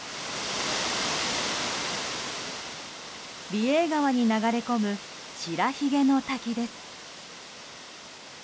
美瑛川に流れ込む白ひげの滝です。